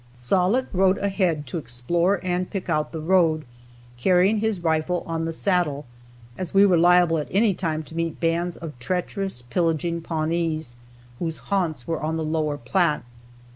Sollitt rode ahead to explore and pick out the road, carrying his rifle on the saddle, as we were liable at any time to meet bands of treacherous, pillaging Pawnees, whose haunts were on the lower Platte.